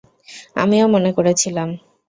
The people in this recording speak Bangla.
আমিও মনে করেছিলাম।